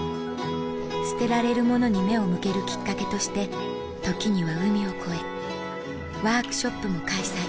捨てられるものに目を向けるきっかけとして時には海を越えワークショップも開催